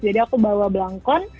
jadi aku bawa belangkon